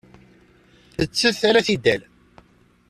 Tettett ala tidal.